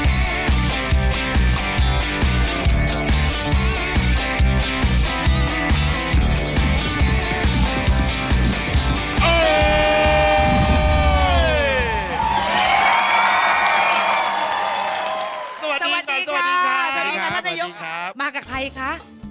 มากับใครนะคะ